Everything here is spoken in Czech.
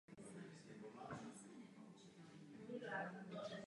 Úmrtí našeho prvního pana Presidenta: T. G. Masaryka